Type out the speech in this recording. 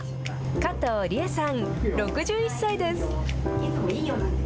加藤理恵さん、６１歳です。